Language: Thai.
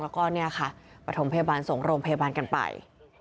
แล้วก็ประถมพยาบาลสงโรมพยาบาลกันไป